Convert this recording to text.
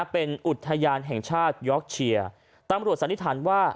เป็นอุทยานแห่งชาติยอกเชียร์ตำรวจสันนิษฐานว่า